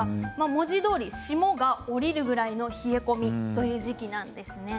文字どおり霜が降りるぐらいの冷え込みという時期なんです。